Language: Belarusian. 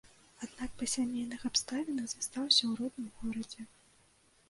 Аднак па сямейных абставінах застаўся ў родным горадзе.